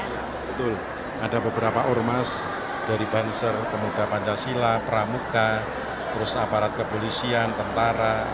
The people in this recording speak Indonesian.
betul ada beberapa ormas dari banser pemuda pancasila pramuka terus aparat kepolisian tentara